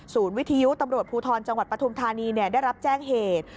วิทยุตำรวจภูทรจังหวัดปฐุมธานีได้รับแจ้งเหตุ